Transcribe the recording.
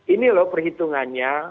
ini loh perhitungannya